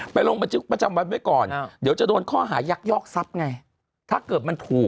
ไปลงบันทึกประจำวันไว้ก่อนเดี๋ยวจะโดนข้อหายักยอกทรัพย์ไง